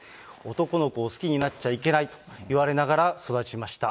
男の子を好きになっちゃいけないと言われながら、育ちました。